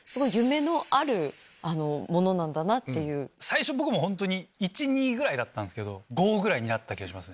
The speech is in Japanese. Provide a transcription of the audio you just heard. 最初僕も１２ぐらいだったんすけど５ぐらいになった気がします。